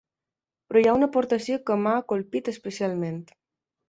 Però hi ha una aportació que m'ha colpit especialment.